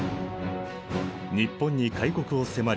日本に開国を迫り